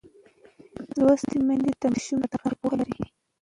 لوستې میندې د ماشوم پر تغذیه پوهه لري.